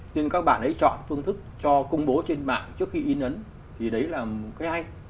nhưng các bạn ấy chọn phương thức cho công bố trên mạng trước khi in ấn thì đấy là một cái hay